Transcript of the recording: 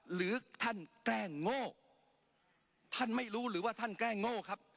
หรือท่านแกล้งโง่ท่านไม่รู้หรือว่าท่านแกล้งโง่ครับ